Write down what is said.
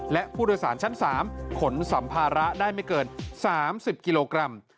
และผู้โดยสารชั้น๓ขนสัมภาระได้ไม่เกิน๓๐กิโลกรัม